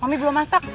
mami belum masak